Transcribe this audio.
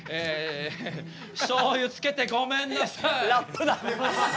しょうゆつけてごめんなさいラップだ！